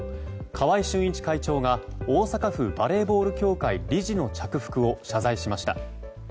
川合俊一会長が大阪府バレーボール協会理事の着服を謝罪しました。